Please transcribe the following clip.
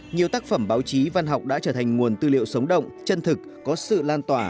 nhiều tác phẩm báo chí văn học đã trở thành nguồn tư liệu sống động chân thực có sự lan tỏa